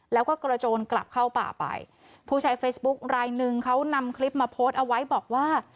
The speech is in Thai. แล้วก็กระโจนกลับเข้าป่าไปผู้ใช้เฟซบุ๊คลายหนึ่งเขานำคลิปมาโพสต์เอาไว้บอกว่า